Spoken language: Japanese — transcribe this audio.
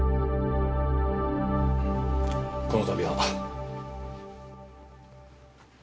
この度は。